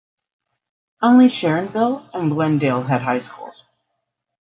Only Sharonville and Glendale had high schools.